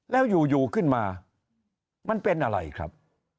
แล้วอยู่ขึ้นมามันเป็นอะไรครับ